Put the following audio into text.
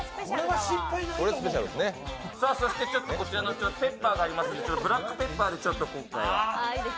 そしてこちらのペッパーがありますのでブラックペッパーで今回は。